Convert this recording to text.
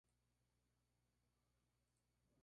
Mezclado en Estudio La Sonora, Lima, Perú.